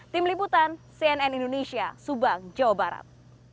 tim liputan cnn indonesia subang jawa barat